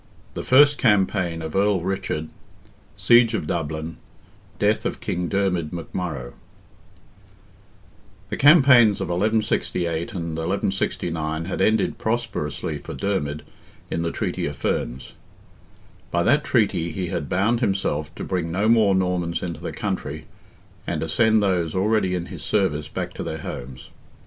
THE FIRST CAMPAIGN OF EARL RICHARD—SIEGE OF DUBLIN—DEATH OF KING DERMID McMURROGH. The campaigns of 1168 and 1169 had ended prosperously for Dermid in the treaty of Ferns. By that treaty he had bound himself to bring no more Normans into the country, and to send those already in his service back to their homes.